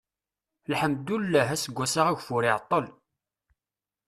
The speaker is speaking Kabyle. lḥemdullah aseggas-a ageffur iɛeṭṭel